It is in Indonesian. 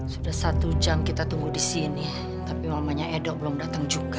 sudah satu jam kita tunggu di sini tapi mamanya edo belum datang juga